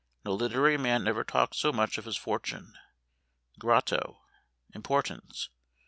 _No literary man ever talked so much of his fortune. Grotto. Importance.